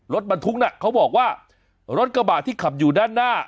รถบรรทุกน่ะเขาบอกว่ารถกระบะที่ขับอยู่ด้านหน้า